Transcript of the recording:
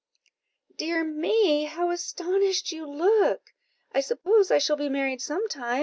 "Dear me, how astonished you look! I suppose I shall be married some time.